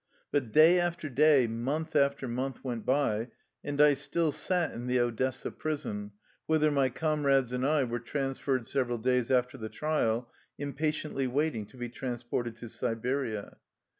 But day after day, month after month went by, and I still sat in the Odessa prison, whither my com rades and I were transferred several days after the trial, impatiently waiting to be transported to Siberia.